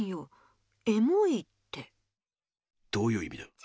どういういみだ？